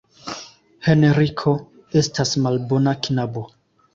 Henriko estas malbona knabo.